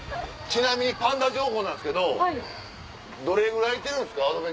ちなみにパンダ情報なんですけどどれぐらいいてるんですか？